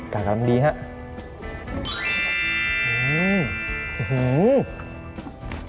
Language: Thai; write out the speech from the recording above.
กลับกันดีครับ